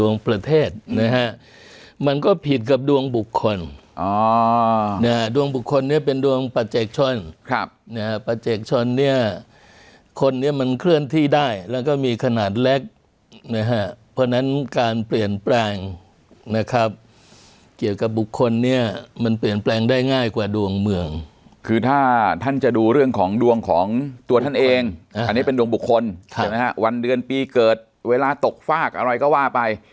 มันก็ผิดกับดวงบุคคลอ๋อเนี่ยดวงบุคคลเนี่ยเป็นดวงประชาชนครับนะฮะคนนี้มันเคลื่อนที่ได้แล้วก็มีขนาดเล็กนะฮะเพราะฉะนั้นการเปลี่ยนแปลงนะครับเกี่ยวกับบุคคลเนี่ยมันเปลี่ยนแปลงได้ง่ายกว่าดวงเมืองคือถ้าท่านจะดูเรื่องของดวงของตัวท่านเองอันนี้เป็นดวงบุคคลใช่ไหมฮะวันเดือนปีเกิดเวลาตกฟากอะไรก็ว่าไป